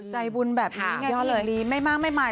ใจบุญแบบนี้ไงพี่หญิงลีไม่มากไม่มาย